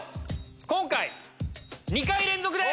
今回２回連続で！